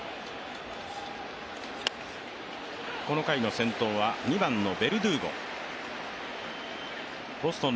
この回の先頭は２番のベルドゥーゴボストン